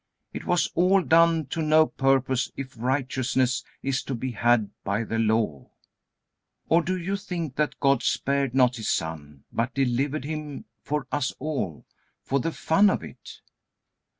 It was all done to no purpose if righteousness is to be had by the Law. Or do you think that God spared not His Son, but delivered Him for us all, for the fun of it?